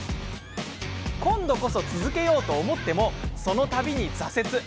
今度こそ続けようと思ってもその度に挫折。